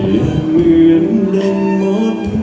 อย่าเหมือนเดินหมด